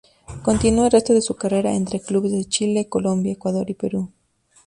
Continuó el resto de su carrera entre clubes de Chile, Colombia, Ecuador y Perú.